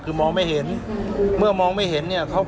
คุณต้องไปคุยกับทางเจ้าหน้าที่เขาหน่อย